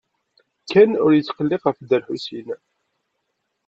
Ken ur yetqelleq ɣef Dda Lḥusin.